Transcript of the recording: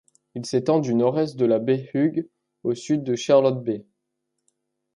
Il s'étend du nord-est de la Baie Hughes au sud de Charlotte Bay.